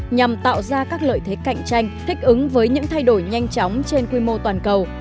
nhằm tạo ra các lợi thế cạnh tranh thích ứng với những thay đổi nhanh chóng trên quy mô toàn cầu